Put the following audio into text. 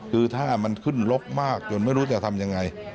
คือถ้ามันขึ้นลบมากจนไม่รู้จะทำยังไง